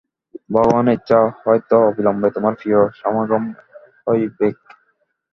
ভগবানের ইচ্ছা হয় ত অবিলম্বে তোমার প্রিয় সমাগম হইবেক।